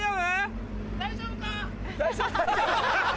大丈夫か？